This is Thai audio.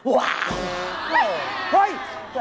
ว้าว